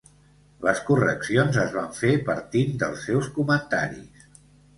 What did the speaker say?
Les correccions es van fer partint dels seus comentaris.